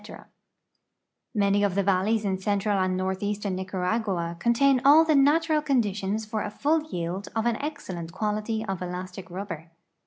jNlany of the valleys in central and northeastern Nicaragua contain all the natural conditions for a full yield of an excellent quality of elastic rubber.